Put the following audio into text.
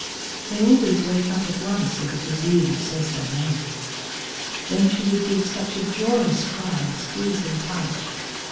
They always wake up at once if it is you that says their name. Then she would give such a joyous cry and squeeze him tight.